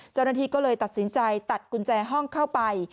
เจ้าหน้าที่ก็เลยตัดสินใจตัดกุญแจห้องเข้าไป